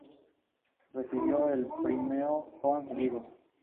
Recibió el premio Jean Vigo.